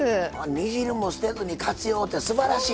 煮汁も捨てずに活用ってすばらしい。